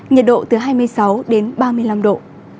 nhiệt độ từ hai mươi sáu đến ba mươi năm độ